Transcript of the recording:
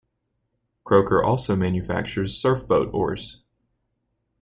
Croker also manufactures surf boat oars.